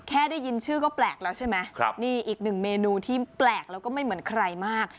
ได้ยินชื่อก็แปลกแล้วใช่ไหมนี่อีกหนึ่งเมนูที่แปลกแล้วก็ไม่เหมือนใครมาก